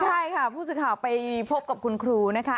ใช่ค่ะผู้สื่อข่าวไปพบกับคุณครูนะคะ